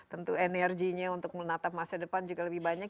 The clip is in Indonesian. tentu energinya untuk menatap masa depan juga lebih banyak